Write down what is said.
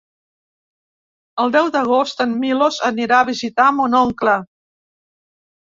El deu d'agost en Milos anirà a visitar mon oncle.